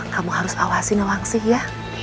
kamu harus awasi nawang sih ya